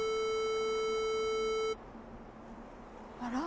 あら？